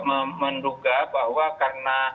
menduga bahwa karena